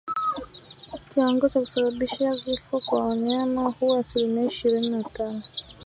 Kiwango cha kusababisha vifo kwa wanyama huwa asilimia ishirini na tano